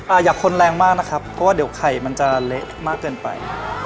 อย่าคนแรงมากนะครับเพราะว่าเดี๋ยวไข่มันจะเละมากเกินไป